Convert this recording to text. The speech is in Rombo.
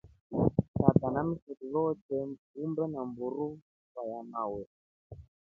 Tata na msheku vete umbe a mburu na mmba ya mawe.